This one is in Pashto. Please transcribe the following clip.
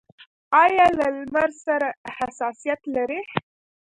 ایا له لمر سره حساسیت لرئ؟